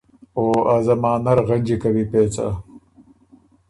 او ا زمانۀ ر غنجی کوی پېڅه“